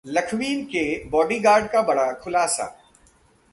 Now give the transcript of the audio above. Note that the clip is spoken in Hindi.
लखवी के बॉडीगार्ड का बड़ा खुलासा